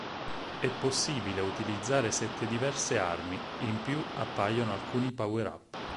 È possibile utilizzare sette diverse armi, in più appaiono alcuni power-up.